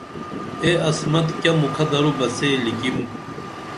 اے عصمت کیہ مُکھہ درو بہ سے لِکِم